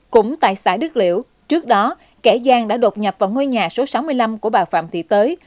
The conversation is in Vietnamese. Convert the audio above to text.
cũng tại xã đức liễu trước đó kẻ giang đã đột nhập vào ngôi nhà số sáu mươi năm của bà phạm thị tới